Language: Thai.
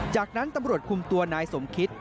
จากนั้นตำรวจคุมตัวนายสมคิต